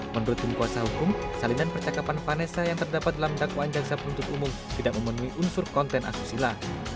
menurut tim kuasa hukum salinan percakapan vanessa yang terdapat dalam dakwaan jaksa penuntut umum tidak memenuhi unsur konten asusila